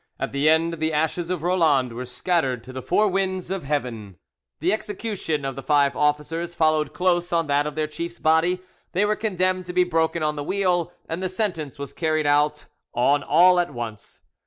At the end the ashes of Roland were scattered to the four winds of heaven. The execution of the five officers followed close on that of their chief's body; they were condemned to be broken on the wheel, and the sentence was carried out on all at once.